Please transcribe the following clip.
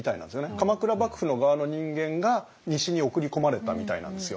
鎌倉幕府の側の人間が西に送り込まれたみたいなんですよ。